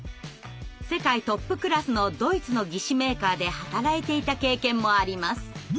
世界トップクラスのドイツの義肢メーカーで働いていた経験もあります。